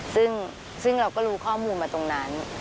ซึ่งเราก็รู้ข้อมูลมาตรงนั้น